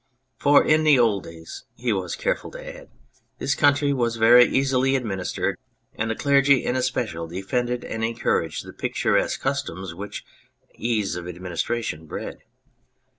" For in the old days " (he was careful to add) " this country was very easily administered, and the clergy in especial defended and encouraged the picturesque customs which such an ease of administration bred.